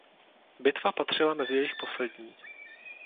Bitva patřila mezi jejich poslední.